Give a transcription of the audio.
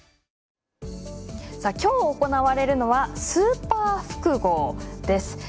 きょう、行われるのはスーパー複合です。